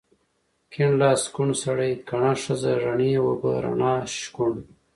کيڼ لاس، کوڼ سړی، کڼه ښځه، رڼې اوبه، رڼا، شکوڼ